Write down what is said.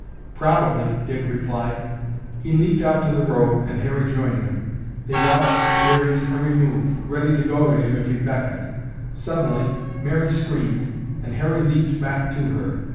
"Probably," Dick replied. He leaped out to the road and Harry joined him. They watched Jerry's every move, ready to go to him if he beckoned. Suddenly Mary screamed and Harry leaped back to her.